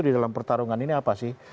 di dalam pertarungan ini apa sih